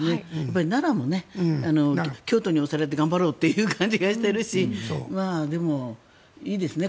奈良も、京都に押されて頑張ろうという感じがしてるしでも、いいですね。